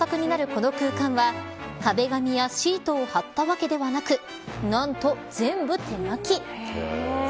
この空間は壁紙やシートを張ったわけではなく何と全部手書き。